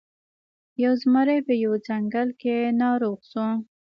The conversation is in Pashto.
یو زمری په یوه ځنګل کې ناروغ شو.